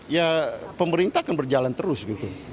ya pemerintah akan berjalan terus gitu